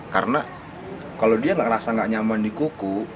karena kalau kuda tidak nyerasa nyaman di kuku